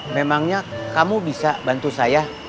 memangnya kamu bisa bantu saya